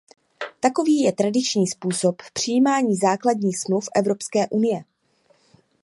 Takový je tradiční způsob přijímání základních smluv Evropské unie.